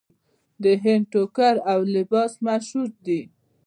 د هند ټوکر او لباس مشهور دی.